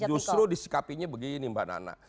justru disikapinya begini mbak nana